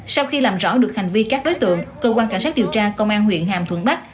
sau khi làm rõ được hành vi các đối tượng cơ quan cảnh sát điều tra công an huyện hàm thuận bắc